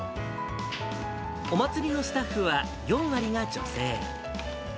お祭りのスタッフは４割が女性。